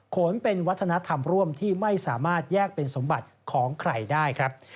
ขนเป็นวัฒนธรรมร่วมที่ไม่สามารถแยกเป็นสมบัติของใครได้ครับ